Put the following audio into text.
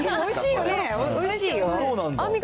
おいしいよ。